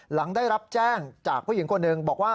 หลังได้รับแจ้งจากผู้หญิงคนหนึ่งบอกว่า